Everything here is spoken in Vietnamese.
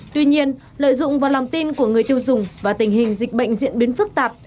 tuy nhiên lợi dụng vào lòng tin của người tiêu dùng và tình hình dịch bệnh diễn biến phức tạp